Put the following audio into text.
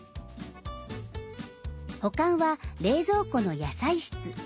保管は冷蔵庫の野菜室。